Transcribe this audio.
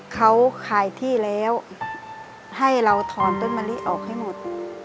เขาขายที่แล้วให้เราทอนต้นมะลิออกให้หมด